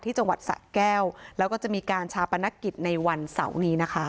จังหวัดสะแก้วแล้วก็จะมีการชาปนกิจในวันเสาร์นี้นะคะ